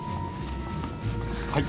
はい。